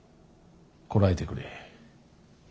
こらえてくれ。